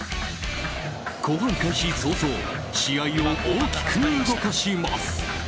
後半開始早々試合を大きく動かします。